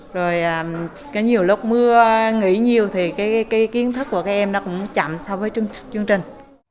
rồi cái nhiều lúc mưa nghỉ nhiều thì cái kiến thức của các em nó cũng chậm so với chương trình